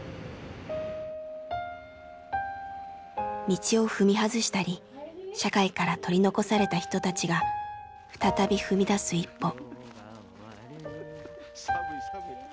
道を踏み外したり社会から取り残された人たちが再び踏み出す一歩。